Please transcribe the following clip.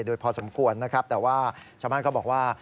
โดยพอสมควรนะครับแต่ว่าชาวบ้านก็บอกว่า